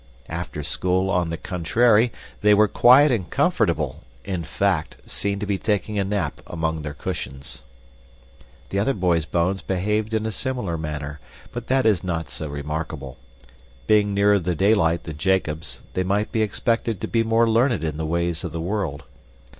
After school, on the contrary, they were quiet and comfortable; in fact, seemed to be taking a nap among their cushions. The other boys' bones behaved in a similar manner, but that is not so remarkable. Being nearer the daylight than Jacob's, they might be expected to be more learned in the ways of the world.